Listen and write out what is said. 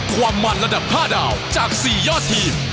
ความมันระดับ๕ดาวจาก๔ยอดทีม